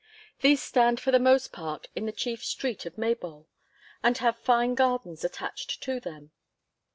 These stand for the most part in the chief street of Maybole, and have fine gardens attached to them.